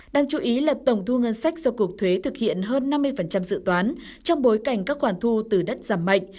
đang chú ý là tổng thu ngân sách do cục thuế thực hiện hơn năm mươi dự toán trong bối cảnh các khoản thu từ đất giảm mạnh